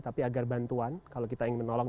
tapi agar bantuan kalau kita ingin menolong